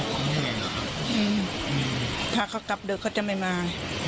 อืมถ้าเขากลับเด็กเขาจะไม่มา